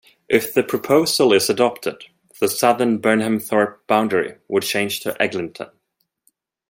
If the proposal is adopted, the southern Burnhamthorpe boundary would change to Eglinton.